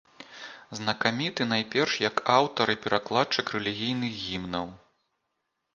Знакаміты найперш як аўтар і перакладчык рэлігійных гімнаў.